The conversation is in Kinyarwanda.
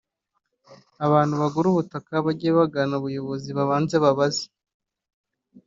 Abantu bagura ubutaka bajye bagana ubuyobozi babanze babaze